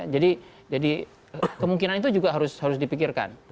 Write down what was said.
jadi kemungkinan itu juga harus dipikirkan